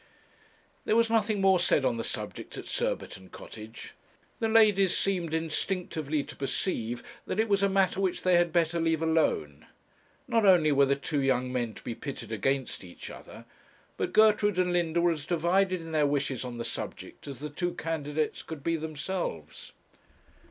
There was nothing more said on the subject at Surbiton Cottage. The ladies seemed instinctively to perceive that it was a matter which they had better leave alone. Not only were the two young men to be pitted against each other, but Gertrude and Linda were as divided in their wishes on the subject as the two candidates could be themselves.